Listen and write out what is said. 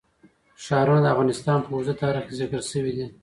ښارونه د افغانستان په اوږده تاریخ کې ذکر شوی دی.